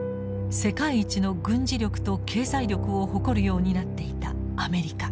世界一の軍事力と経済力を誇るようになっていたアメリカ。